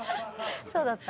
そうだった。